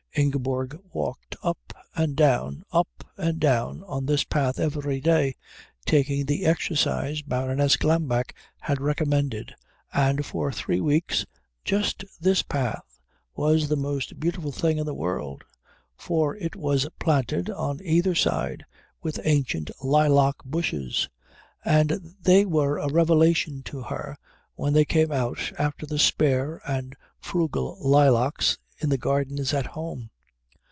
Ingeborg walked up and down, up and down on this path every day, taking the exercise Baroness Glambeck had recommended, and for three weeks just this path was the most beautiful thing in the world, for it was planted on either side with ancient lilac bushes and they were a revelation to her when they came out after the spare and frugal lilacs in the gardens at home.